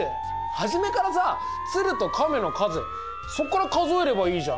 初めからさ鶴と亀の数そこから数えればいいじゃんね。